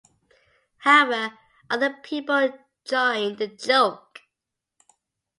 However, other people joined the joke.